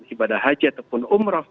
ibadah haji ataupun umroh